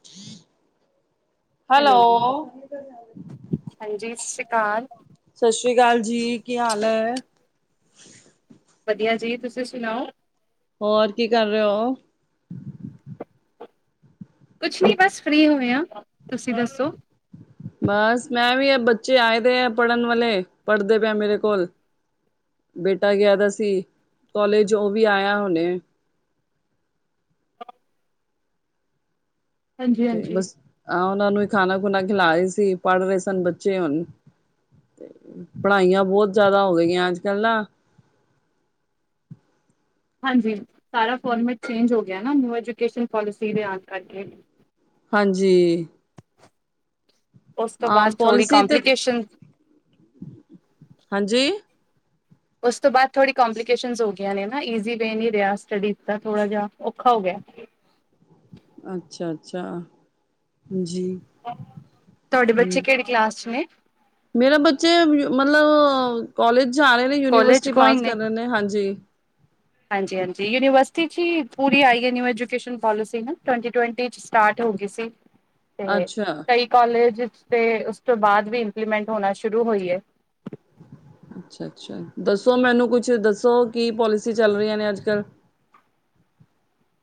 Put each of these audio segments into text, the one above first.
[inaudible] Hello. ਹਾਂਜੀ ਸਤਿ ਸ਼੍ਰੀ ਅਕਾਲ ਸਤਿ ਸ੍ਰੀ ਅਕਾਲ ਜੀ, ਕੀ ਹਾਲ ਐ? ਵਧੀਆ ਜੀ, ਤੁਸੀਂ ਸੁਨਾਓ। ਹੋਰ, ਕੀ ਕਰ ਰੇ ਓ? ਕੁਛ ਨੀ ਬਸ ਫਰੀ ਹੋਏ ਆਂ, ਤੁਸੀਂ ਦੱਸੋ। ਬਸ ਮੈਂ ਵੀ ਐ ਬੱਚੇ ਆਏ ਦੇ ਐ ਪੜ੍ਹਨ ਵਾਲੇ, ਪੜ੍ਹਦੇ ਪਿਐ ਮੇਰੇ ਕੋਲ। ਬੇਟਾ ਗਿਆ ਦਾ ਸੀ ਕੋਲੇਜ ਓ ਵੀ ਆਇਆ ਹੁਨੇ। [inaudible] ਹਾਂਜੀ ਤੇ ਹਾਂਜੀ ਬਸ ਆਹ ਓਨਾਂ ਨੂੰ ਹੀ ਖਾਨਾ ਖੁਨਾ ਖਿਲਾ ਰੀ ਸੀ, ਪੜ੍ਹ ਰਹੇ ਸਨ ਬੱਚੇ ਹੁਨ। ਤੇ ਪੜ੍ਹਾਈਆਂ ਬੋਤ ਜਾਦਾ ਹੋ ਗਈਆਂ ਅੱਜ-ਕੱਲ੍ਹ ਨਾ। ਹਾਂਜੀ, ਸਾਰਾ ਫੋਰਮੈਟ ਚੇਂਜ ਹੋ ਗਿਆ ਨਾ, ਨਿਊ ਐਜੂਕੇਸ਼ਨ ਪੋਲਿਸੀ ਦੇ ਆਨ ਕਰਕੇ। ਹਾਂਜੀ। ਓਸ ਤੋਂ ਹਾਂ ਬਾਦ ਥੋੜ੍ਹੀ ਪੋਲਿਸੀ ਤੇ ਕੋਪਲੀਕੇਸ਼ਨ ਹਾਂਜੀ ਓਸ ਤੋਂ ਬਾਦ ਥੋੜ੍ਹੀ ਕੰਪਲੀਕੇਸ਼ਨਸ ਹੋ ਗਈਆਂ ਨੇ ਨਾ, ਈਜ਼ੀ ਵੇ ਨੀ ਰਿਹਾ ਸਟੱਡੀਜ਼ ਦਾ ਥੋੜ੍ਹਾ ਜਾ। ਔਖਾ ਹੋ ਗਿਆ। ਅੱਛਾ-ਅੱਛਾ, ਜੀ। ਤੁਹਾਡੇ ਬੱਚੇ ਕਿਹੜੀ ਕਲਾਸ 'ਚ ਨੇ? ਮੇਰਾ ਬੱਚੇ ਮਤਲਬ ਕੋਲਜ ਜਾ ਰਹੇ ਨੇ, ਕੋਲਜ ਯੂਨੀਵਰਸਿਟੀ ਪਾਸ ਕਰ ਰੇ ਨੇ ਹਾਂਜੀ। ਹਾਂਜੀ-ਹਾਂਜੀ, ਯੂਨੀਵਰਸਿਟੀ 'ਚ ਹੀ ਪੂਰੀ ਆਈ ਐ ਨਿਊ ਐਜੂਕੇਸ਼ਨ ਪੋਲਿਸੀ ਨਾ, ਟਵੈਂਟੀ-ਟਵੈਂਟੀ 'ਚ ਸਟਾਰਟ ਹੋ ਗੀ ਸੀ। ਤੇ ਅੱਛਾ, ਕਈ ਕਾਲਜ ਤੇ ਓਸ ਤੋਂ ਬਾਦ ਵੀ ਇੰਪਲੀਮੈਂਟ ਹੋਨਾ ਸ਼ੁਰੂ ਹੋਈ ਏ। ਅੱਛਾ-ਅੱਛਾ, ਦੱਸੋ ਮੈਨੂੰ ਕੁਛ ਦੱਸੋ ਕੀ ਪੋਲਿਸੀ ਚੱਲ ਰਹੀਆਂ ਨੇ ਅੱਜ-ਕੱਲ?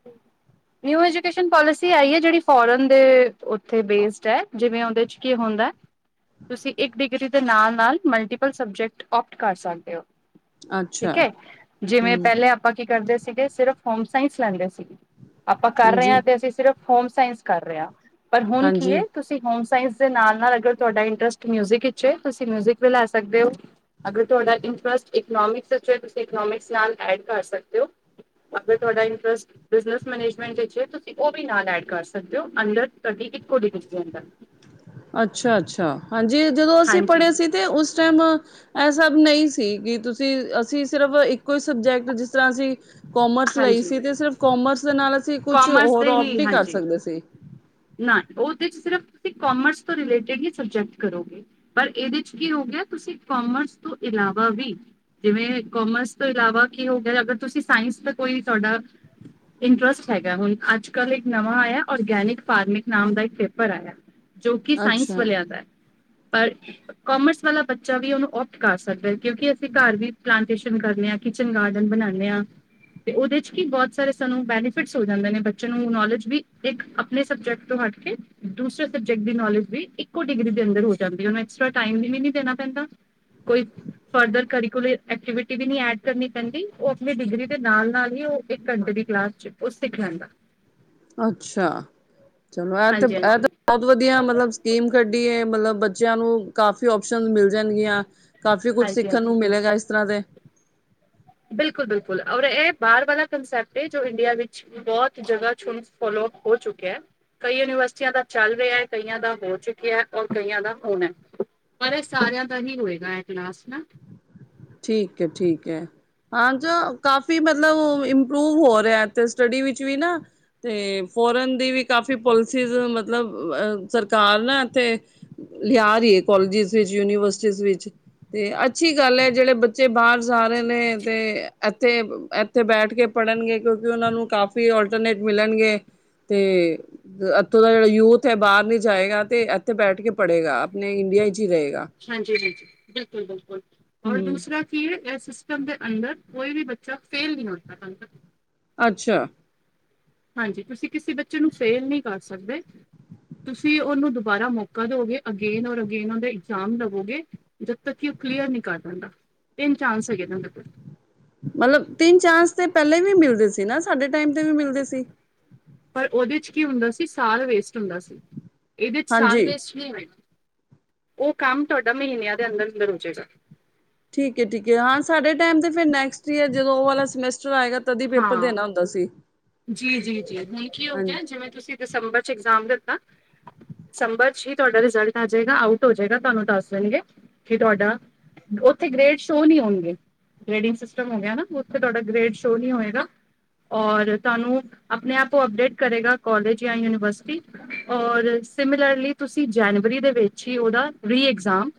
[inaudible] ਨਿਊ ਐਜੂਕੇਸ਼ਨ ਪੋਲਿਸੀ ਆਈ ਏ, ਜੇੜੀ ਫੋਰਨ ਦੇ ਓਥੇ ਬੇਸਡ ਐ ਜਿਵੇਂ ਓਂਦੇ 'ਚ ਕੀ ਹੁੰਦਾ? ਤੁਸੀਂ ਇੱਕ ਡਿਗਰੀ ਦੇ ਨਾਲ-ਨਾਲ ਮਲਟੀਪਲ ਸਬਜੈਕਟ ਓਪਟ ਕਰ ਸਕਦੇ ਓ। ਠੀਕ ਅੱਛਾ ਏ, ਜਿਵੇਂ ਹੂੰ ਪਹਿਲੇ ਆਪਾਂ ਕੀ ਕਰਦੇ ਸੀਗੇ? ਸਿਰਫ ਹੋਮ ਸਾਇੰਸ ਲੈਂਦੇ ਸੀ। ਆਪਾਂ ਕਰ ਰਹੇ ਹਾਂਜੀ, ਆਂ ਤੇ ਅਸੀਂ ਸਿਰਫ਼ ਹੋਮ ਸਾਇੰਸ ਕਰ ਰਹੇ ਆਂ, ਪਰ ਹੁਨ ਕੀ ਹਾਂਜੀ ਏ ਤੁਸੀ ਹੋਮ ਸਾਇੰਸ ਦੇ ਨਾਲ-ਨਾਲ ਅਗਰ ਤੁਹਾਡਾ ਇੰਟਰਸਟ ਮਿਊਜ਼ਿਕ 'ਚ ਏ, ਤੁਸੀ ਮਿਊਜ਼ਿਕ ਵੀ ਲੈ ਸਕਦੇ ਓ। ਅਗਰ ਤੁਹਾਡਾ ਇੰਟਰਸਟ ਇਕਨੋਮਿਕਸ ' ਤੁਸੀਂ ਇਕਨੋਮਿਕਸ ਨਾਲ ਐਡ ਕਰ ਸਕਦੇ ਹੋ। ਅਗੇ ਤੁਹਾਡਾ ਇੰਟਰਸਟ ਬਿਜਨੈਸ ਮੈਨੇਜਮੈਂਟ ਵਿੱਚ ਤੁਸੀ ਉਹ ਵੀ ਨਾਲ ਐਡ ਕਰ ਸਕਦੇ ਹੋ। ਅੱਛਾ, ਅੱਛਾ ਹਾਂਜੀ ਜਦੋਂ ਅਸੀਂ ਪੜ੍ਹੇ ਹਾਂਜੀ ਸੀ ਤਾਂ ਉਸ ਟਾਈਮ ਇਹ ਸਭ ਨਹੀਂ ਸੀ ਕਿ ਤੁਸੀਂ ਅਸੀਂ ਸਿਰਫ ਇੱਕੋ ਹੀ ਸਬਜੈਕਟ, ਜਿਸ ਤਰ੍ਹਾਂ ਅਸੀਂ ਕੋਮਰਸ ਲਈ ਹਾਂਜੀ ਸੀ ਤੇ ਸਿਰਫ ਕੋਮਰਸ ਦੇ ਨਾਲ ਅਸੀਂ ਕੁਛ ਕਾਮਰਸ ਹੋਰ ਦੇ ਓਪ ਹੀ ਡ ਵੀ ਕਰ ਹਾਂਜੀ ਸਕਦੇ ਸੀ। ਨਾ ਉਹਦੇ 'ਚ ਸਿਰਫ ਤੁਸੀਂ ਕੋਮਰਸ ਤੋਂ ਰਿਲੇਟਿਡ ਹੀ ਸਬਜੈਕਟ ਕਰੋਗੇ। ਪਰ ਇਹਦੇ 'ਚ ਕੀ ਹੋ ਗਿਆ, ਤੁਸੀਂ ਕੋਮਰਸ ਤੋਂ ਇਲਾਵਾ ਵੀ! ਜਿਵੇਂ ਕਾਮਰਸ ਤੋਂ ਇਲਾਵਾ ਕੀ ਹੋ ਗਿਆ ਅਗਰ ਤੁਸੀਂ ਸਾਇੰਸ ਦਾ ਕੋਈ ਤੁਹਾਡਾ। ਇੰਟਰਸਟ ਹੈਗਾ, ਹੁਣ ਅੱਜ ਕੱਲ੍ਹ ਇੱਕ ਨਵਾਂ ਆਇਆ ਔਰਗੈਨਿਕ। ਫਾਰਮਿਕ ਨਾਮ ਦਾ ਇੱਕ ਪੇਪਰ ਆਇਆ ਜੋ ਕਿ ਸਾਇੰਸ ਅੱਛਾ, ਵਾਲਿਆਂ ਦਾ ਹੈ, ਪਰ। ਕਮਰਸ ਵਾਲਾ ਬੱਚਾ ਵੀ ਉਹਨੂੰ ਔਫ ਕਰ ਸਕਦਾ ਹੈ ਕਿਉਂਕਿ ਅਸੀਂ ਘਰ ਵੀ ਪਲਾਂਟੇਸ਼ਨ ਕਰ ਰਹੇ ਹਾਂ ਕਿਚਨ, ਗਾਰਡਨ ਬਣਾਉਂਦੇ ਹਾਂ। ਤੇ ਉਹਦੇ 'ਚ ਕੀ ਬਹੁਤ ਸਾਰੇ ਸਾਨੂੰ ਬੈਨੀਫਿਟਸ ਹੋ ਜਾਂਦੇ ਨੇ ਬੱਚਿਆਂ ਨੂੰ ਨੌਲੇਜ ਵੀ ਇੱਕ ਆ। ਆਪਣੇ ਸਬਜੈਕਟ ਤੋਂ ਹਟ ਕੇ ਦੂਸਰੇ ਸਬਜੈਕਟ ਦੀ ਨੌਲੇਜ ਬੀ ਇੱਕੋ ਡਿਗਰੀ ਦੇ ਅੰਦਰ ਹੋ ਜਾਂਦੀ ਐਕਸਟਰਾ ਟਾਈਮ ਵੀ ਨੀ ਦੇਣਾ ਪੈਂਦਾ। ਕੋਈ ਫਰਦਰ ਕਰੀਕਓਲ ਐਕਟੀਵਿਟੀ ਵੀ ਨੀ ਐਡ ਕਰਨੀ ਪੈਂਦੀ ਉਹ ਆਪਣੀ ਡਿਗਰੀ ਦੇ ਨਾਲ- ਨਾਲ ਹੀ ਉਹ ਇੱਕ ਘੰਟੇ ਦੀ ਕਲਾਸ। ਉਹ ਸਿੱਖ ਲੈਂਦਾ ਅੱਛਾ, ਚਲੋ ਇਹ ਤੇ ਹਾਂਜੀ ਇਹ ਤਾਂ ਹਾਂਜੀ ਬਹੁਤ ਵਧੀਆ ਮਤਲਬ ਸ। ਟੀਮ ਕੱਢੀਏ, ਮਤਲਬ ਬੱਚਿਆਂ ਨੂੰ ਕਾਫੀ ਓਪਸ਼ਨ ਮਿਲ ਜਾਣਗੀਆਂ। ਕਾਫੀ ਕੁੱਝ ਹਾਂਜੀ ਸਿੱਖਣ ਹਾਂਜੀ ਨੂੰ ਮਿਲੇਗਾ ਇਸ ਤਰ੍ਹਾਂ ਦੇ। ਬਿਲਕੁਲ- ਬਿਲਕੁਲ, ਔਰ ਇਹ ਬਾਹਰ ਵਾਲਾ ਕੰਸੈਪਟ ਜੋ ਇੰਡੀਆ ਵਿੱਚ ਬਹੁਤ ਜਗ੍ਹਾ ਚਛੁਣ ਫੋਲੋ ਹੋ ਚੁੱਕਿਆ ਹੈ। ਕਈ ਯੂਨੀਵਰਸਿਟੀਆਂ ਦਾ ਚੱਲ ਰਿਹਾ ਹੈ। ਕਈਆਂ ਦਾ ਹੋ ਚੁੱਕਿਆ ਹੈ। ਔਰ ਕਈਆਂ ਦਾ ਹੋਣਾ ਹੈ। ਪਰ ਇਹ ਸਾਰਿਆਂ ਦਾ ਹੀ ਹੋਏਗਾ, ਅਟ ਲਾਸਟ ਨਾ। ਠੀਕ ਹੈ ਠੀਕ ਹੈ ਹਾਂ ਜੋ ਕਾਫੀ ਮਤਲਬ ਅ ਇੰਪਰੂਵ ਹੋ ਰਿਹਾ ਇਥੇ ਸਟੱਡੀ ਵਿੱਚ ਵੀ ਨਾ ਤੇ ਫੋਰਨ ਦੀ ਵੀ ਕਾਫੀ ਪੋਲਿਸੀਜ਼, ਮਤਲਬ ਆ ਸਰਕਾਰ ਨਾ ਇਥੇ। ਲਿਆ ਰਹੀ ਹੈ ਕੋਲਜਿਸ ਵਿੱਚ, ਯੂਨੀਵਰਸਿਟੀਜ਼ ਵਿੱਚ ਤੇ ਅੱਛੀ ਗੱਲ ਹੈ। ਜਿਹੜੇ ਬੱਚੇ ਬਾਹਰ ਜਾ ਰਹੇ ਨੇ ਤੇ ਇੱਥੇ, ਇੱਥੇ ਬੈਠ ਕੇ ਪੜ੍ਹਨਗੇ ਕਿਉਂਕਿ ਉਹਨਾਂ ਨੂੰ ਕਾਫੀ ਵੀ ਆਲਟਰਨੇਟ ਮਿਲਣਗੇ, ਤੇ ਇੱਥੋਂ ਦਾ ਜਿਹੜਾ ਯੂਥ ਹੈ ਬਾਹਰ ਨੀ ਜਾਏਗਾ ਤੇ ਇੱਥੇ ਬੈਠ ਕੇ ਪੜ੍ਹੇਗਾ ਆਪਣੇ ਇੰਡੀਆ 'ਚ ਹੀ ਰਹੇਗਾ। ਹਾਂਜੀ, ਹਾਂਜੀ ਬਿਲਕੁਲ, ਬਿਲਕੁਲ ਔਰ ਹਮ ਦੂਸਰਾ ਫੀਲਡ ਇਹ ਸਿਸਟਮ ਦੇ ਅੰਦਰ ਕੋਈ ਵੀ ਬੱਚਾ ਫੇਲ ਵੀ ਨਾ ਕਰਨ। ਅੱਛਾ। ਹਾਂਜੀ, ਤੁਸੀਂ ਕਿਸੇ ਬੱਚੇ ਨੂੰ ਫੇਲ ਨਹੀਂ ਕਰ ਸਕਦੇ। ਤੁਸੀਂ ਉਹਨੂੰ ਦੁਬਾਰਾ ਮੌਕਾ ਦਿਓਗੇ, ਅਗੇਨ ਔਰ ਅਗੇਨ ਉਹਦੇ ਇਗਜ਼ਾਮ ਲਵੋਗੇ। ਜਦ ਤੱਕ ਕਿ ਉਹ ਕਲੀਅਰ ਨਹੀਂ ਕਰ ਦਿੰਦਾ, ਤਿੰਨ ਚਾਂਸ ਹੈਗੇ ਇਹ ਦੇ ਕੋਲ। ਮਤਲਬ, ਤਿੰਨ ਚਾਂਸ ਤੇ ਪਹਿਲੇ ਵੀ ਮਿਲਦੇ ਸੀ ਨਾ ਸਾਡੇ ਟਾਈਮ ਤੇ ਵੀ ਮਿਲਦੇ ਸੀ। ਪਰ ਉਹਦੇ 'ਚ ਕੀ ਹੁੰਦਾ ਸੀ ਸਾਲ ਵੇਸਟ ਹੁੰਦਾ ਸੀ। ਇਹਦੇ 'ਚ ਸਾਲ ਹਾਂਜੀ ਵੇਸਟ ਨਹੀਂ ਹੋਏਗਾ, ਉਹ ਕੰਮ ਤੁਹਾਡਾ ਮਹੀਨਿਆਂ ਦੇ ਅੰਦਰ- ਅੰਦਰ ਹੋ ਜਾਏਗਾ। ਠੀਕ ਹੈ, ਠੀਕ ਹੈ ਹਾਂ ਸਾਡੇ ਟਾਈਮ ਤੇ ਫਿਰ ਨੈਕਸਟ ਈਅਰ ਜਦੋਂ ਉਹ ਵਾਲਾ ਸਮੈਸਟਰ ਆਏਗਾ। ਤਦੀ ਪੇਪਰ ਹਾਂ ਦੇਣਾ ਹੁੰਦਾ ਸੀ ਜੀ, ਜੀ, ਜੀ ਹੁਣ ਕੀ ਹੋ ਹਾਂਜੀ ਗਿਆ, ਜਿਵੇਂ ਤੁਸੀਂ ਦਿਸੰਬਰ 'ਚ ਇਗਜ਼ਾਮ ਦਿੱਤਾ ਦਿਸੰਬਰ 'ਚ ਹੀ ਤੁਹਾਡਾ ਰਿਜ਼ਲਟ ਆ ਜਾਏਗਾ, ਆਊਟ ਹੋ ਜਾਏਗਾ, ਤੁਹਾਨੂੰ ਦੱਸ ਦੇਣਗੇ ਕਿ ਤੁਹਾਡਾ। ਉੱਥੇ ਗ੍ਰੇਡ ਸ਼ੋਅ ਨਹੀ ਹੋਣਗੇ, ਗ੍ਰੇਡਿੰਗ ਸਿਸਟਮ ਹੋ ਗਿਆ ਨਾ ਉੱਥੇ ਤੁਹਾਡਾ ਗ੍ਰੇਡ। ਤੋਂ ਨਹੀ ਹੋਏਗਾ। ਔਰ ਤੁਹਾਨੂੰ ਆਪਣੇ ਆਪ ਉਹ ਅਪਡੇਟ ਕਰੇਗਾ ਕਾਲਜ ਜਾਂ ਯੂਨੀਵਰਸਿਟੀ ਔਰ ਸਿਮਿਲਰਲੀ ਤੁਸੀਂ ਜਨਵਰੀ ਦੇ ਵਿੱਚ ਹੀ ਉਹਦਾ, ਰੀਐਗਜ਼ਾਮ।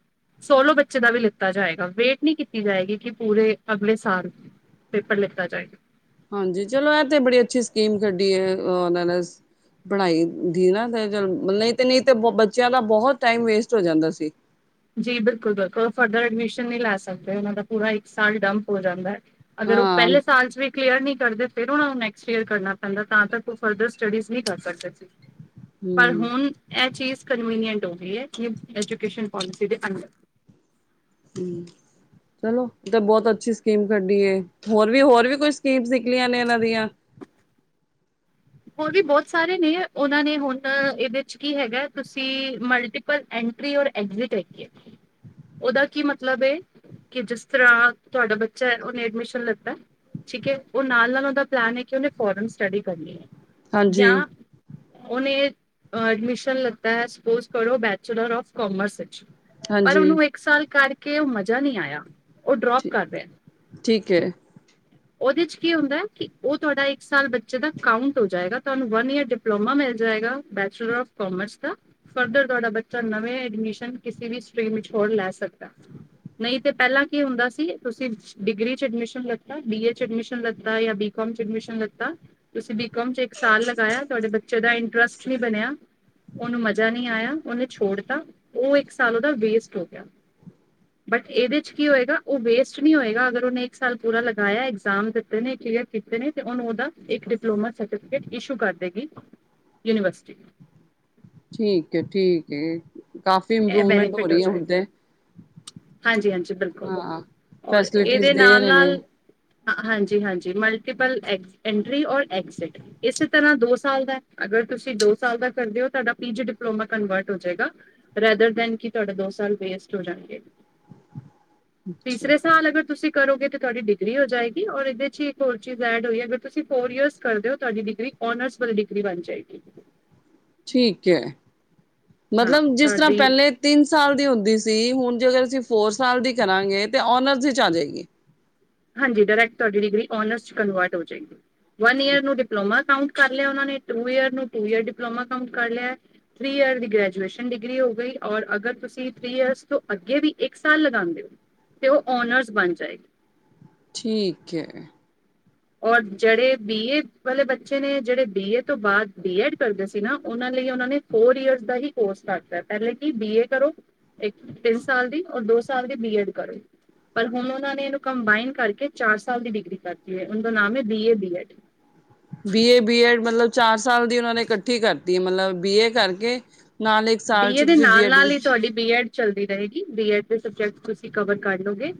ਸੋਲੋ ਬੱਚੇ ਦਾ ਵੀ ਲਿੱਤਾ ਜਾਏਗਾ, ਵੇਟ ਨਹੀਂ ਕੀਤੀ ਜਾਏਗੀ ਕਿ ਪੂਰੇ ਅਗਲੇ ਸਾਲ। ਪੇਪਰ ਲਿਤਾ ਜਾਏ। ਹਾਂਜੀ ਚਲੋ ਇਹ ਤੇ ਬੜੀ ਅੱਛੀ ਸਕੀਮ ਕੱਢੀ ਏ ਉਹਨਾਂ ਨੇ ਸ। ਪੜ੍ਹਾਈ ਦੀ ਨਾ ਤੇ ਚੱਲ ਮਤਲਬ ਇਹ ਤੇ ਨਈ ਤੇ ਬੱਚਿਆਂ ਦਾ ਬਹੁਤ ਟਾਈਮ ਵੇਸਟ ਹੋ ਜਾਂਦਾ ਸੀ। ਜੀ ਬਿਲਕੁਲ-ਬਿਲਕੁਲ ਫਰਦਰ ਐਡਮਿਸ਼ਨ ਨਹੀਂ ਲੈ ਸਕਦੇ, ਉਹਨਾਂ ਦਾ ਪੂਰਾ ਇੱਕ ਸਾਲ ਡੰਪ ਹੋ ਜਾਂਦਾ ਹਾਂ। ਅਗਰ ਉਹ ਹਾਂ ਪਹਿਲੇ ਸਾਲ ਚ ਵੀ ਕਲੀਅਰ ਨਹੀਂ ਕਰਦੇ ਫਿਰ ਉਹਨਾ ਨੂੰ ਨੈਕਸਟ ਈਅਰ ਕਰਨਾ ਪੈਂਦਾ ਤਾਂ ਤਕ। ਫਰਦਰ ਸਟੱਡੀਜ਼ ਨਈ ਕਰ ਸਕਦੇ ਸੀ ਪਰ ਹਮ ਹੁਣ। ਇਹ ਚੀਜ਼ ਕਨਵੀਨੀਐਂਟ ਹੋ ਗਈ ਏ, ਐਜੂਕੇਸ਼ਨ ਪੋਲਿਸੀ ਦੇ ਅੰਦਰ ਹੂੰ। ਚਲੋ ਤੇ ਬੋਤ ਅੱਛੀ ਸਕੀਮ ਕੱਢੀ ਏ, ਹੋਰ ਵੀ ਹੋਰ ਵੀ ਕੋਈ ਸਕੀਮਸ ਹੈਗੀਆ ਨੇ ਇਹਨਾਂ ਦੀ ਹੋਰ ਵੀ ਬੋਤ ਸਾਰੇ ਨੇ ਉਹਨਾਂ ਨੇ, ਹੁਣ ਇਹਦੇ ਚ ਕੀ ਹੈਗਾ ਤੁਸੀਂ ਮਲਟੀ ਪਰ ਐਂਟਰੀ ਔਰ ਐਗਜ਼ਿਟ ਹੈਗੀ ਏ, ਉਹਦਾ ਕੀ ਮਤਲਬ ਏ? ਕਿ ਜਿਸ ਤਰ੍ਹਾਂ ਤੁਹਾਡਾ ਬੱਚਾ ਐ ਉਹਨੇ ਐਡਮਿਸ਼ਨ ਲੀਤਾ ਠੀਕ ਏ, ਉਹ ਨਾਲ-ਨਾਲ ਉਹਦਾ ਪਲੈਨ ਹੈ ਕਿ ਉਹਨੇ ਫੋਰਨ ਸਟੱਡੀ ਕਰਨੀ ਏ ਜਾਂ ਹਾਂਜੀ ਉਹਨੇ ਐਡਮਿਸ਼ਨ ਲਤਾ ਐ ਸਪੋਜ ਕਰੋ ਬੈਚਲਰ ਆਫ ਕਾਮਰਸ ਵਿੱਚ। ਪਰ ਹਾਂਜੀ ਉਹਨੂੰ ਇੱਕ ਸਾਲ ਕਰਕੇ ਉਹ ਮਜ਼ਾ ਨਹੀਂ ਆਇਆ, ਉਹ ਡਰੋਪ ਠੀ ਕਰ ਰਿਹਾ। ਠੀਕ ਐ। ਉਹਦੇ ਚ ਕੀ ਹੁੰਦਾ ਐ ਕਿ ਉਹ ਤੁਹਾਡਾ ਇੱਕ ਸਾਲ ਬੱਚੇ ਦਾ ਕਾਉਂਟ ਹੋ ਜਾਏਗਾ ਤੁਹਾਨੂੰ ਵਨ ਈਅਰ ਡਿਪਲੋਮਾ ਮਿਲ ਜਾਏਗਾ ਬੈਚਲਰ ਆਫ ਕਮਰਸ ਦਾ। ਫਰਦਰ ਤੁਹਾਡਾ ਬੱਚਾ ਨਵੇਂ ਐਡਮਿਸ਼ਨ ਕਿਸੇ ਵੀ ਸਟਰੀਮ ਵਿੱਚ ਹੋਰ ਲੈ ਸਕਦਾ। ਨਈ ਤੇ ਪੇਲਾ ਕੀ ਹੁੰਦਾ ਸੀ ਤੁਸੀਂ ਡਿਗਰੀ ਚ ਐਡਮਿਸ਼ਨ ਲ ਬੀਏ ਚ ਐਡਮਿਸ਼ਨ ਲੱਤਾ ਯਾਂ ਬੀ ਕੋਮ ਚ ਐਡਮਿਸ਼ਨ ਲੱਤਾ ਤੁਸੀਂ ਬੀਕੋਮ ਚ ਇਕ ਸਾਲ ਲਗਾਇਆ, ਤੁਹਾਡੇ ਬੱਚੇ ਦਾ ਇੰਟਰਸਟ ਨੀ ਬਣਿਆ। ਉਹਨੂੰ ਮਜ਼ਾ ਨਈ ਆਇਆ, ਉਹਨੇ ਛੋੜਤਾ ਉਹ ਇੱਕ ਸਾਲ ਉਹਦਾ ਵੇਸਟ ਹੋ ਗਿਆ। ਬਟ ਇਹਦੇ ਚ ਕੀ ਹੋਏਗਾ, ਉਹ ਵੇਸਟ ਨਹੀਂ ਹੋਏਗਾ ਅਗਰ ਉਹਨੇ ਇੱਕ ਸਾਲ ਪੂਰਾ ਲਗਾਇਆ ਇਗਜ਼ਾਮ ਦਿੱਤੇ ਨੇ, ਕਲੀਰ ਕੀਤੇ ਨੇ, ਤੇ ਓਨੂੰ ਓਦਾ ਇੱਕ ਡਿਪਲੋਮਾ ਸਰਟੀਫਿਕੇਟ ਇਸ਼ੂ ਕਰ ਦੇਗੀ। ਯੂਨੀਵਰਸਿਟੀ ਠੀਕ ਏ, ਠੀਕ ਏ ਕਾਫੀ ਇਹ ਇੰਪਰੂਵਮੈਂਟ ਹੋ ਬੈਨੀਫਿਟ ਰਹੀ ਏ ਹੁਣ ਜਾਏਗਾ ਤੇ ਹਾਂਜੀ ਹਾਂਜੀ ਬਿਲਕੁਲ ਹਾਂ ਫੈਸਿਲਿਟੀਜ਼ ਦੇ ਰਹੇ ਨੇ। ਹਾਂ ਹਾਂਜੀ-ਹਾਂਜੀ ਮਲਟੀਪਲ ਐਂਟਰੀ ਔਰ ਐਗਜ਼ਿਟ। ਇਸੇ ਤਰ੍ਹਾਂ ਦੋ ਸਾਲ ਦਾ ਅਗਰ ਤੁਸੀਂ ਦੋ ਸਾਲ ਦਾ ਕਰਦੇ ਹੋ, ਤੁਹਾਡਾ ਪੀਜੀ ਡਿਪਲੋਮਾ ਕਨਵਰਟ ਹੋ ਜਾਏਗਾ। ਰੈਦਰ ਦੈਨ ਕੀ ਤੁਹਾਡਾ ਦੋ ਸਾਲ ਵੇਸਟ ਹੋ ਜਾਣਗੇ। ਅੱਛਾ ਤੀਸਰੇ ਸਾਲ ਅਗਰ ਤੁਸੀਂ ਕਰੋਗੇ ਤਾਂ ਤੁਹਾਡੀ ਡਿਗਰੀ ਹੋ ਜਾਏਗੀ ਔਰ ਇਹਦੇ 'ਚ ਹੀ ਇੱਕ ਹੋਰ ਚੀਜ਼ ਐਡ ਹੋਈ ਐ ਅਗਰ ਤੁਸੀਂ ਫੋਰ ਈਅਰਸ ਕਰਦੇ ਹੋ ਤੁਹਾਡੀ ਡਿਗਰੀ ਔਨਰਸ ਵੱਲੀ ਡਿਗਰੀ ਬਣ ਜਾਏਗੀ। ਠੀਕ ਐ ਹਾਂ ਮਤਲਬ ਜਿਸ ਤਰ੍ਹਾਂ ਤੁਹਾਡੀ ਪੈਲੇ ਤਿੰਨ ਸਾਲ ਦੀ ਹੁੰਦੀ ਸੀ ਹੁਣ ਜੇ ਅਗਰ ਅਸੀਂ ਫੋਰ ਸਾਲ ਦੀ ਕਰਾਂਗੇ ਤੇ ਔਨਰਸ ਵਿੱਚ ਆ ਜਾਏਗੀ। ਹਾਂਜੀ, ਡਾਇਰੈਕਟ ਤੁਹਾਡੀ ਡਿਗਰੀ ਓਨਰਸ ਚ ਕਨਵਰਟ ਹੋ ਜਾਏਗੀ। ਵਨ ਈਅਰ ਨੂੰ ਡਿਪਲੋਮਾ ਕਾਉਂਟ ਕਰ ਲਿਆ ਉਹਨਾਂ ਨੇ, ਟੂ ਈਅਰ ਨੂੰ, ਟੂ ਈਅਰ ਡਿਪਲੋਮਾ ਕੰਮ ਕਰ ਲਿਆ ਥਰੀ ਈਅਰ ਦੀ ਗ੍ਰੈਜੂਏਸ਼ਨ ਡਿਗਰੀ ਹੋ ਗਈ ਔਰ ਅਗਰ ਤੁਸੀਂ ਥਰੀ ਈਅਰਸ ਤੋਂ ਅੱਗੇ ਵੀ ਇੱਕ ਸਾਲ ਲਗਾਦੇ ਹੋ ਤੇ ਉਹ ਓਨਰਜ਼ ਬਣ ਜਾਏਗੀ। ਠੀਕ ਐ। ਔਰ ਜਿਹੜੇ ਬੀ ਏ ਵਾਲੇ ਬੱਚੇ ਨੇ ਜਿਹੜੇ ਬੀਏ ਤੋਂ ਬਾਅਦ ਬੀ ਐਡ ਕਰਦੇ ਸੀ ਨਾ, ਉਹਨਾਂ ਲਈ ਉਹਨਾਂ ਨੇ ਫੋਰ ਈਅਰਸ ਦਾ ਹੀ ਕੋਰਸ ਕਰਤਾ ਏ, ਪਹਿਲੇ ਕਿ ਬੀ ਏ ਕਰੋ ਇੱਕ ਤਿੰਨ ਸਾਲ ਦੀ ਔਰ ਦੋ ਸਾਲ ਦੀ ਬੀ ਐਡ ਕਰੋ ਪਰ ਹੁਣ ਉਹਨਾਂ ਨੇ ਇਹਨੂੰ ਕੰਬਾਈਨ ਕਰਕੇ ਚਾਰ ਸਾਲ ਦੀ ਡਿਗਰੀ ਕਰਤੀ ਐ ਉਹ ਦਾ ਨਾਮ ਐ B A BEd B A BEd ਮਤਲਬ ਚਾਰ ਸਾਲ ਦੀ ਉਹਨਾਂ ਨੇ ਕੱਠੀ ਕਰਤੀ ਐ ਮਤਲਬ ਬੀ ਏ ਕਰਕੇ ਨਾਲ ਇੱਕ ਸਾਲ ਬੀਏ ਚ ਦੇ ਤੁਸੀਂ ਬੀ ਐਡ ਵੀ ਨਾਲ-ਨਾਲ ਹੀ ਤੁਹਾਡੀ ਬੀ ਐਡ ਚੱਲਦੀ ਰਹੇਗੀ ਬੀ ਐਡ ਦੇ ਸਬਜੈਕਟ ਤੁਸੀਂ ਕਵਰ ਕਰ ਲੋਗੇ।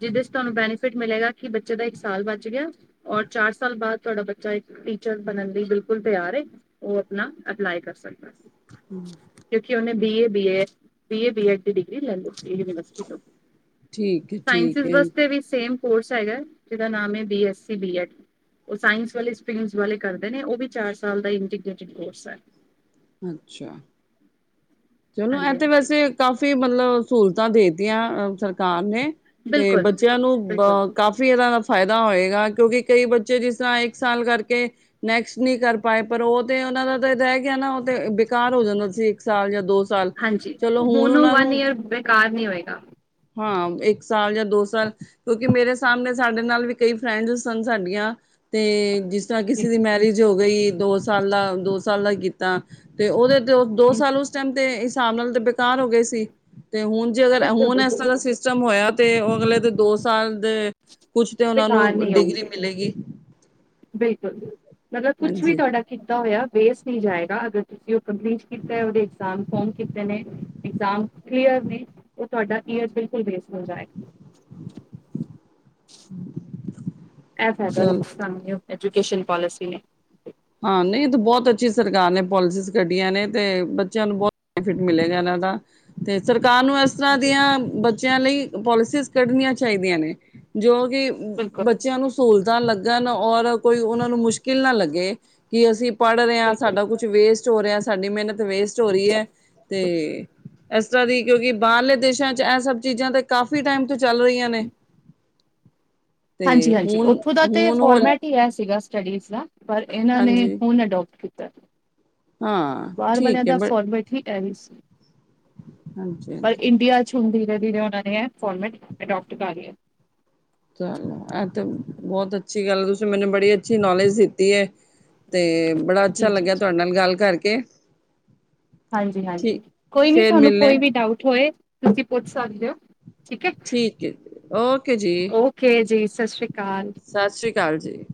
ਜਿਹਦੇ ਚ ਤੁਹਾਨੂੰ ਬੈਨੀਫਿਟ ਮਿਲੇਗਾ ਕਿ ਬੱਚੇ ਦਾ ਇੱਕ ਸਾਲ ਬਚ ਗਿਆ। ਔਰ ਚਾਰ ਸਾਲ ਬਾਅਦ ਤੁਹਾਡਾ ਬੱਚਾ ਇੱਕ ਟੀਚਰ ਬਣਨ ਲਈ ਬਿਲਕੁਲ ਤਿਆਰ ਏ। ਉਹ ਆਪਣਾ ਅਪਲਾਈ ਕਰ ਸਕਦਾ। ਹਮ [inaudible] ਕਿਉਂਕਿ ਉਹਨੇ ਬੀਏ, ਬੀਏ-ਬੀਏਡ ਦੀ ਡਿਗਰੀ ਲੈ ਲਈ ਯਨੀ ਠੀਕ ਹੈ ਠੀਕ ਸਾਇੰਸਜ ਹੈ ਵਾਸਤੇ ਵੀ ਸੇਮ ਕੋਰਸ ਹੈਗਾ, ਜਿਹਦਾ ਨਾਮ ਹੈ, B S C B Ed. ਉਹ ਸਾਇੰਸ ਵਾਲੇ ਸਪੀਗਸ ਵਾਲੇ ਕਰਦੇ ਨੇ, ਉਹ ਵੀ ਚਾਰ ਸਾਲ ਦਾ ਇੰਟੀਗਰੇਟਿਡ ਕੋਰਸ ਹੈ। ਅੱਛਾ। ਚਲੋ, ਹਾਂਜੀ ਇਹ ਤੇ ਹਾਂਜੀ ਵੈਸੇ ਕਾਫੀ ਮਤਲਬ ਸਹੂਲਤਾਂ ਦੇਤੀਆਂ ਸਰਕਾਰ ਨੇ। ਤੇ ਬਿਲਕੁਲ ਬੱਚਿਆਂ ਨੂੰ ਬ ਬਿਲਕੁਲ ਕਾਫ [unintelligible] ਕਾਫ਼ੀ ਇਹ ਦਾ ਫਾਇਦਾ ਹੋਏਗਾ ਕਿਉਂਕਿ ਕਈ ਬੱਚੇ ਜਿਸ ਤਰ੍ਹਾਂ ਇੱਕ ਸਾਲ ਕਰਕੇ ਨੈਕਸਟ ਨਹੀਂ ਕਰ ਪਾਏ, ਪਰ ਉਹ ਤੇ ਉਹਨਾਂ ਦਾ ਤਾਂ ਇਦਾ ਏ ਕੇ ਨਾ, ਉਹ ਤੇ ਬੇਕਾਰ ਹੋ ਜਾਂਦਾ ਸੀ ਇੱਕ ਸਾਲ ਜਾਂ ਦੋ ਸਾਲ ਹਾਂਜੀ, ਚਲੋ ਹੁਣ ਉਹ ਉਹਨਾਂ ਵਨ ਨੂੰ ਯੀਅਰ ਬੇਕਾਰ ਨੀ ਹੋਏਗਾ। ਹਾਂ, ਇੱਕ ਸਾਲ ਜਾਂ ਦੋ ਸਾਲ ਕਿਉਂਕਿ, ਮੇਰੇ ਸਾਹਮਣੇ ਸਾਡੇ ਨਾਲ ਵੀ ਕਈ ਫਰੈਂਡਸ ਸਨ ਸਾਡੀਆਂ, ਤੇ ਜਿਸ ਜਾਂ, ਜੀ ਕਿਸੀ ਦੀ ਮੈਰਿਜ ਹੋ ਗਈ, ਦੋ ਸਾਲ ਦਾ, ਦੋ ਸਾਲ ਦਾ ਹੀ ਕੀਤਾ। ਤੇ ਉਹਦੇ ਦ ਦੋ ਜੀ ਸਾਲ ਉਸ ਟੈਮ ਤੇ ਹਿਸਾਬ ਨਾਲ ਤੇ ਬੇਕਾਰ ਹੋ ਗਏ ਸੀ, ਤੇ ਹੁਣ ਜੇ ਅਗਰ ਏ ਬਿਲਕੁਲ ਹੁਣ, ਇਸ ਬਿਲਕੁਲ ਤਰ੍ਹਾਂ ਦਾ ਸਿਸਟਮ ਹੋਇਆ, ਤੇ ਉਹ ਅਗਲੇ ਦੇ ਦੋ ਸਾਲ ਦੇ ਕੁੱਛ ਤੇ ਉਹਨਾਂ ਬੇਕਾਰ ਨੂੰ ਨਹੀਂ ਡਿਗਰੀ ਹੋਊਗੇ ਮਿਲੇਗੀ। ਬਿਲਕੁਲ, ਮਤਲਬ ਕੁੱਛ ਵੀ ਹਾਂਜੀ ਤੁਹਾਡਾ ਕੀਤਾ ਹੋਇਆ ਵੇਸਟ ਨਹੀਂ ਜਾਏਗਾ, ਅਗਰ ਤੁਸੀਂ ਉਹ ਕੰਪਲੀਟ ਕੀਤਾ, ਉਹਦੇ ਇਗਜਾਮ ਫੋਮ ਕੀਤੇ ਨੇ ਇਗਜ਼ਾਮ ਕਲੀਅਰ ਨੇ, ਉਹ ਤੁਹਾਡਾ ਯੀਅਰ ਬਿਲਕੁਲ ਬੇਸਟ ਹੁੰਦਾ ਏ। [inaudible] ਐ ਫਾਇਦਾ, ਚਲ [unintelligible] ਨਊ ਐਜੂਕੇਸ਼ਨ ਪੋਲਿਸੀ ਨੇ ਹਾਂ, ਨਹੀਂ ਤੇ ਬਹੁਤ ਅੱਛੀ ਸਰਕਾਰ ਨੇ ਪੋਲਿਸੀਜ਼ ਕੱਢੀਆਂ ਨੇ, ਤੇ ਬੱਚਿਆਂ ਨੂੰ ਬਹੁਤ ਬੈਨੇਫਿਟ ਮਿਲੇਗਾ ਇਹਨਾਂ ਦਾ, ਤੇ ਸਰਕਾਰ ਨੂੰ ਇਸ ਤਰ੍ਹਾਂ ਜੀ ਜੀ ਦੀਆਂ ਬੱਚਿਆਂ ਲਈ ਪੋਲਿਸੀਸ ਕੱਢਣੀਆਂ ਚਾਹੀਦੀਆਂ ਨੇ, ਜੋ ਕਿ ਬ ਬਿਲਕੁਲ ਬੱਚਿਆਂ ਨੂੰ ਸਹੂਲਤਾਂ ਲੱਗਣ, ਔਰ ਕੋਈ ਉਹਨਾਂ ਨੂੰ ਮੁਸ਼ਕਿਲ ਨਾ ਲੱਗੇ। ਕਿ ਅਸੀਂ ਪੜ੍ਹ ਰਹੇ ਹਾਂ, ਬਿਲਕੁਲ ਸਾਡਾ ਕੁਛ ਵੇਸਟ ਹੋ ਰਿਹਾ, ਸਾਡੀ ਮਿਹਨਤ ਵੇਸਟ ਚੋਰੀ ਹੈ ਤੇ ਇਸ ਤਰ੍ਹਾਂ ਦੀ ਕਿਉਂਕਿ ਬਾਹਰਲੇ ਦੇਸਾਂ ਚ ਇਹ ਸਭ ਚੀਜ਼ਾਂ ਤਾਂ ਕਾਫੀ ਟੈਮ ਤੋਂ ਚੱਲ ਰਹੀਆਂ ਨੇ। ਤੇ ਹਾਂਜੀ-ਹਾਂਜੀ, ਹੁਣ ਉੱਥੋਂ ਦਾ ਤੇ ਹੁਣ ਹੋ ਫੋਰਮੈਟ ਹੀ ਇਹ ਸੀਗਾ ਸਟੱਡੀਜ਼ ਦਾ ਪਰ, ਇਹਨਾਂ ਨੇ ਹਾਂਜੀ ਹੁਣ ਅਡੋਪਟ ਕੀਤਾ। [unintelligible] ਹਾਂ। ਬਾਹਰ ਵਾਲਿਆਂ ਠੀਕ ਹੈ ਦਾ ਬ ਫੋਰਮੇਟ ਹੀ [unintelligible] ਸੀ ਹਾਂਜੀ ਪਰ, ਹਾਂਜੀ ਇੰਡੀਆ ਹੁਣ ਧੀਰੇ-ਧੀਰੇ ਉਹ ਨੇ ਇਹ ਫੋਰਮਟ ਅਡੋਪਟ ਕਰ ਲਿਆ। ਚਲੋ, ਏਤੇ ਬਹੁਤ ਅੱਛੀ ਗੱਲ। ਤੁਸੀਂ ਮੈਨੂੰ ਬੜੀ ਅੱਛੀ ਨੌਲੇਜ ਦਿੱਤੀ ਹੈ। ਤੇ ਬੜਾ ਜੀ ਅੱਛਾ ਜੀ ਜੀ ਲੱਗਿਆ ਤੁਹਾਡੇ ਨਾਲ ਗੱਲ ਕਰਕੇ। ਹਾਂਜੀ-ਹਾਂਜੀ। ਠੀਕ ਕੋਈ ਨੀ, ਫੇਰ ਤੁਹਾਨੂੰ ਮਿਲਣੇ ਕੋਈ ਵੀ ਡਾਊਟ ਹੋਏ ਤੁਸੀਂ ਪੁੱਛ ਸਕਦੇ ਹੋ ਠੀਕ ਹੈ। ਠੀਕ ਹੈ ਜੀ, ਓਕੇ ਜੀ। ਓਕੇ ਜੀ, ਸਾਸਰੀ ਕਾਲ। ਸਾਸਰੀ ਕਾਲ ਜੀ।